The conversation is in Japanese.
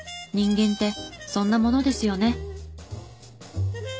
人間ってそんなものですよね。